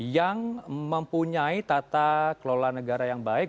yang mempunyai tata kelola negara yang baik